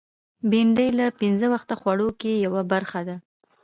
بېنډۍ له پینځه وخته خوړو کې یوه برخه ده